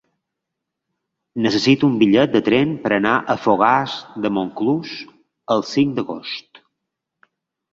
Necessito un bitllet de tren per anar a Fogars de Montclús el cinc d'agost.